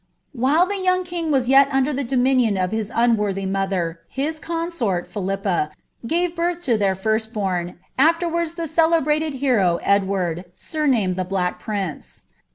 idle young king was yet under the dominion of his unworthy fhu consort, Phdippa, gave birth lo her firsl bom, afterwards the I hero Edward, sumamed the Black Prince.